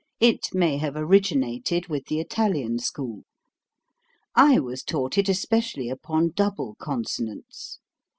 It may have originated with the Italian school. I was taught it especially upon double con sonants.